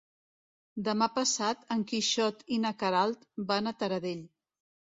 Demà passat en Quixot i na Queralt van a Taradell.